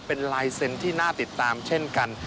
เป็นลายเซ็นต์ที่น่าติดตามเช่นกัน